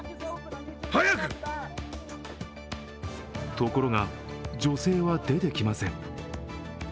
ところが女性は出てきません。